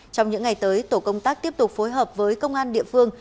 trong những ngày tới tổ công tác tiếp tục phối hợp với công an địa phương